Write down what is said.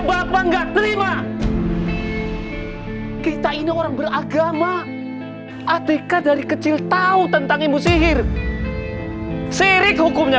bapak enggak terima kita ini orang beragama atika dari kecil tahu tentang ibu sihir sirik hukumnya